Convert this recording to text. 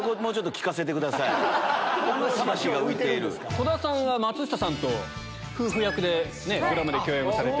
戸田さんは松下さんと夫婦役でドラマで共演をされてました。